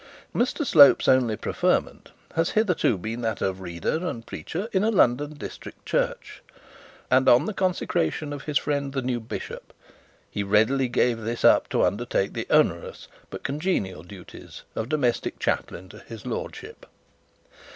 Mr Slope's only preferment has hitherto been that of reader and preacher in a London district church; and on the consecration of his friend the new bishop, he readily gave this up to undertake the onerous but congenial duties of domestic chaplain to the bishop.